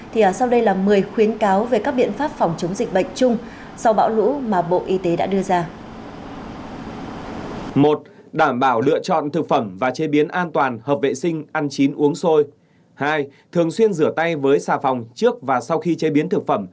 thì sau đây là một mươi khuyến cáo về các biện pháp phòng chống dịch bệnh